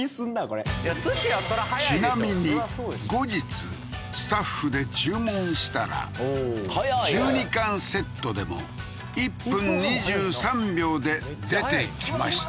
これちなみに後日スタッフで注文したら１２貫セットでも１分２３秒で出てきまし